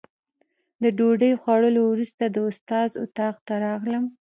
د ډوډۍ خوړلو وروسته د استاد اتاق ته راغلم.